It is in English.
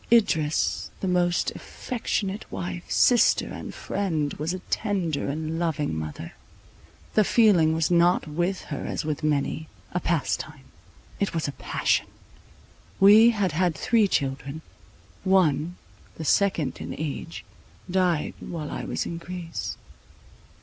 Idris, the most affectionate wife, sister and friend, was a tender and loving mother. The feeling was not with her as with many, a pastime; it was a passion. We had had three children; one, the second in age, died while I was in Greece.